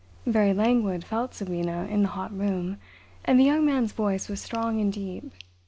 Very languid felt Sabina in the hot room, and the Young Man's voice was strong and deep.